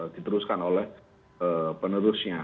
diteruskan oleh penerusnya